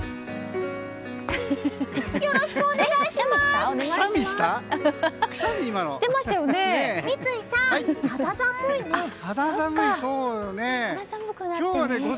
よろしくお願いします！